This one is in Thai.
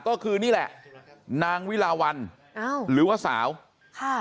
ก็คือนี่แหละนางวิลาวันอ้าวหรือว่าสาวค่ะ